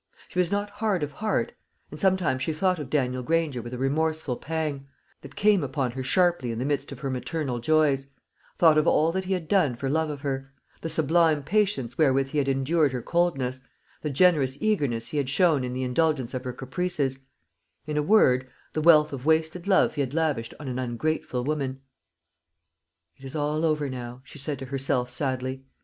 She was not hard of heart; and sometimes she thought of Daniel Granger with a remorseful pang, that cams upon her sharply in the midst of her maternal joys; thought of all that he had done for love of her the sublime patience wherewith he had endured her coldness, the generous eagerness he had shown in the indulgence of her caprices; in a word, the wealth of wasted love he had lavished on an ungrateful woman. "It is all over now," she said to herself sadly.